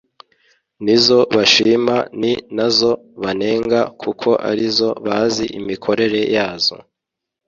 nizo bashima ni nazo banenga kuko arizo bazi imikorere yazo